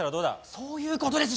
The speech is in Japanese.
そういう事です！